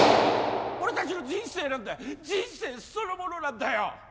俺達の人生なんだ人生そのものなんだよ